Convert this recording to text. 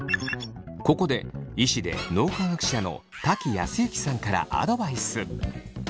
ここで医師で脳科学者の瀧靖之さんからアドバイス。